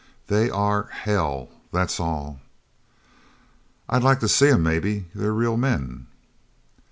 "They are hell that's all." "I'd like to see 'em. Maybe they're real men."